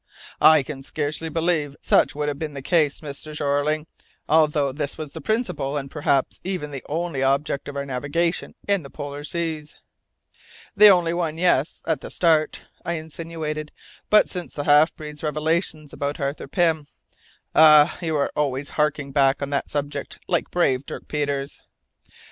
"I can scarcely believe such would have been the case, Mr. Jeorling, although this was the principal and perhaps even the only object of our navigation in the polar seas." "The only one yes at the start," I insinuated. "But since the half breed's revelations about Arthur Pym " "Ah! You are always harking back on that subject, like brave Dirk Peters."